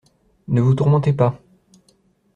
Ne vous tourmentez pas.